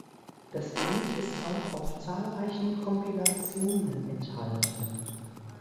Das Lied ist auch auf zahlreichen Kompilationen enthalten.